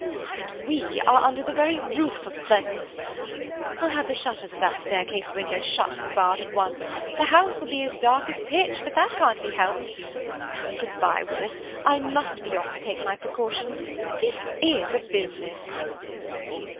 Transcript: "And we are under the very roof of Pleasance. I'll have the shutters of that staircase window shut and barred at once; the house will be as dark as pitch, but that can't be helped. Good bye, Willis, I must be off to take my precautions. This is a business!"